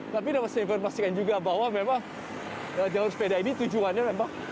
tapi saya ingin memastikan juga bahwa memang jalur sepeda ini tujuannya memang